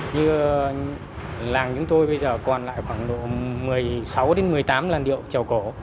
như làng chúng tôi bây giờ còn lại khoảng độ một mươi sáu đến một mươi tám làn điệu trèo cổ